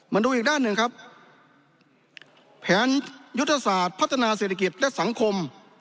มาดูอีกด้านหนึ่งครับแผนยุทธศาสตร์พัฒนาเศรษฐกิจและสังคม